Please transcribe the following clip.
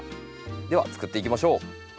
ではつくっていきましょう。